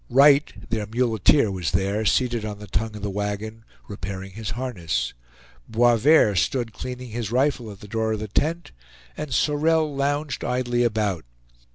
Wright, their muleteer, was there, seated on the tongue of the wagon, repairing his harness. Boisverd stood cleaning his rifle at the door of the tent, and Sorel lounged idly about.